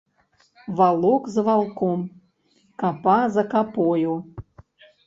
Валок за валком, капа за капою.